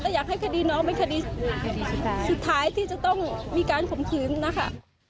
แต่อยากให้คดีน้องเป็นคดีสุดท้ายที่จะต้องมีการข่มขืนนะคะ